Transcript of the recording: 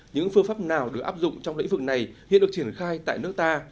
những phương pháp nào được áp dụng trong lĩnh vực này hiện được triển khai tại nước ta